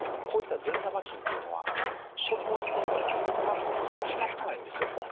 こういった善玉菌というのは食物繊維がないとうまくそれ働かないんですよ。